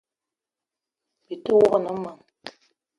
Byi te wok ne meng :